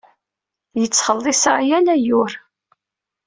Yettxelliṣ-aɣ yal ayyur.